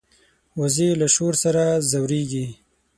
وزې له شور سره ځورېږي